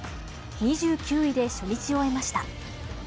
２９位で初日を終えました。